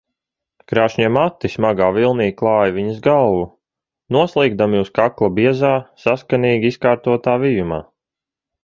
Krāšņie mati smagā vilnī klāja viņas galvu, noslīgdami uz kakla biezā, saskanīgi izkārtotā vijumā.